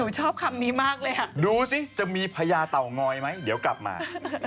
ชอบคำนี้มากเลยค่ะดูสิจะมีพญาเต่างอยไหมเดี๋ยวกลับมา